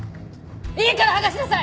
いいから剥がしなさい！